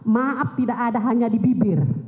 maaf tidak ada hanya di bibir